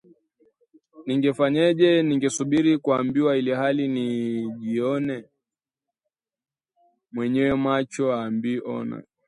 Ningefanyaje?! ningesubiri kuambiwa ilhali najionea? Mwenye macho haambiwi ona